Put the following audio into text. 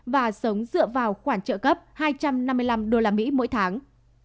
và sống dựa vào khoản trợ cấp hai trăm năm mươi năm usd mỗi tháng